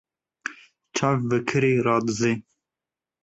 Çav vekirî radizê.